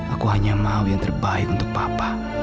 aku hanya mau yang terbaik untuk papa